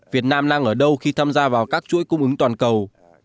việt nam đang ở đâu khi tham gia vào các chuỗi cung ứng toàn cầu